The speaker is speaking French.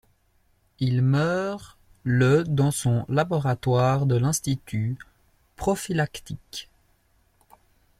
Il meurt le dans son laboratoire de l'institut prophylactique.